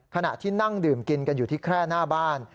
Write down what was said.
ขณะที่นั่งดื่มกินกันอยู่ที่แคร่หน้าบ้าน